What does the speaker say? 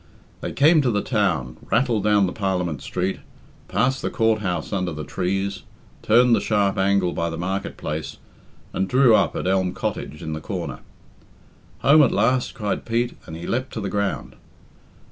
They came to the town, rattled down the Parliament Street, passed the Court house under the trees, turned the sharp angle by the market place, and drew up at Elm Cottage in the corner. "Home at last," cried Pete, and he leapt to the ground.